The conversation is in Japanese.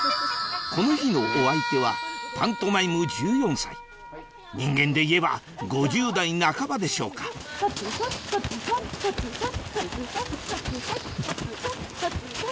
この日のお相手はパントマイム１４歳人間でいえば５０代半ばでしょうかタッタタタッタタ。